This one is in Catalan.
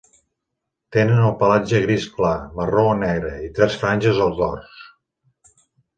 Tenen el pelatge gris clar, marró o negre i tres franges al dors.